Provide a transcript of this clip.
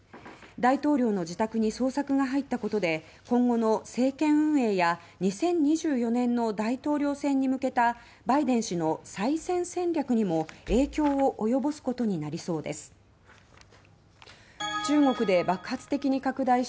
大統領の自宅に捜索が入ったことで今後の政権運営や２０２４年の大統領選に向けたバイデン氏の再選戦略にも影響を及ぼすことになりそうです。